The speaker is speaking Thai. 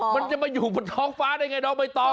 มันจะมาอยู่บนท้องฟ้าได้ยังไงนอกไม่ต้อง